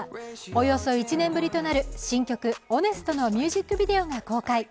およそ１年ぶりとなる新曲「Ｈｏｎｅｓｔ」のミュージックビデオが公開。